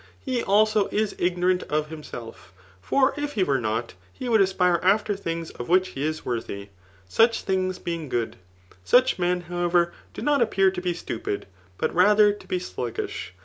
He, also, is ignorant of himself ; for if he were not, he would aspire after things of which he is worthy, such things bdng good. Such men, however, do not appear to be stU{Hd, but rather to be sluggish.